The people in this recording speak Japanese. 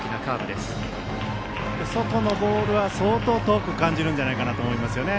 外のボールは相当遠く感じるんじゃないかと思いますよね。